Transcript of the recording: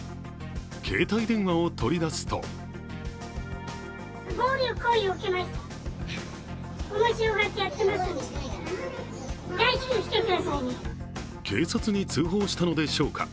携帯電話を取り出すと警察に通報したのでしょうか。